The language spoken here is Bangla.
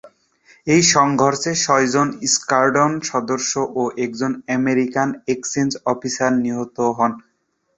এই সংঘর্ষে ছয়জন স্কোয়াড্রন সদস্য এবং একজন আমেরিকান এক্সচেঞ্জ অফিসার নিহত হন।